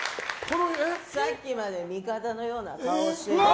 さっきまで味方のような顔をしていたが。